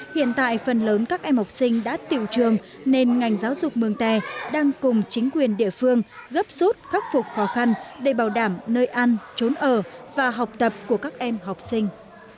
hiện tại phần lớn các em học sinh đã tiệu trường nên ngành giáo dục mường tè đang cùng chính quyền địa phương gấp rút khắc phục khó khăn để bảo đảm nơi ăn trốn ở và học tập của các em học sinh